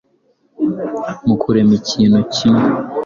mu kurema ikintu kimwe.